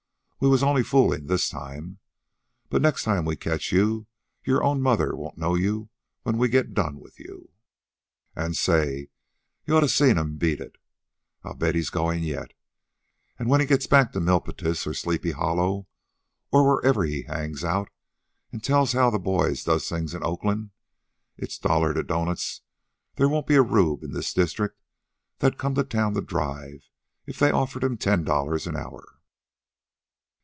We was only foolin' this time. But next time we catch you your own mother won't know you when we get done with you.' "An' say! you oughta seen'm beat it. I bet he's goin' yet. Ah' when he gets back to Milpitas, or Sleepy Hollow, or wherever he hangs out, an' tells how the boys does things in Oakland, it's dollars to doughnuts they won't be a rube in his district that'd come to town to drive if they offered ten dollars an hour."